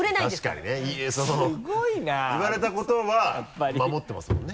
確かにね言われたことは守ってますもんね。